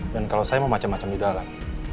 dan kalau saya mau macam macam di dalam